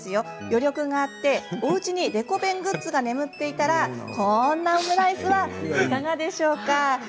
余力があって、おうちにデコ弁グッズが眠っていたらこんなオムライスはいかがでしょうか？